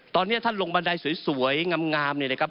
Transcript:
ตอนนี้ท่านลงบันไดสวยงามเนี่ยนะครับ